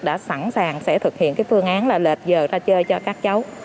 đã sẵn sàng sẽ thực hiện phương án lệch giờ ra chơi cho các cháu